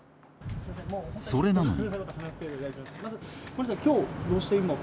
それなのに。